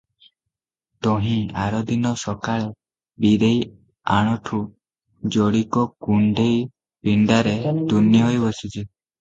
ତହିଁ ଆରଦିନ ସଖାଳେ ବୀରେଇ ଆଣ୍ଠୁ ଯୋଡିକ କୁଣ୍ଢେଇ ପିଣ୍ଡାରେ ତୁନି ହୋଇ ବସିଛି ।